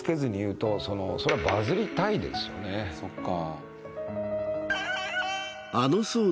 そっか。